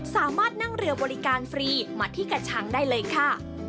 สามารถนั่งเรือบริการฟรีมาที่กระชังได้เลยค่ะ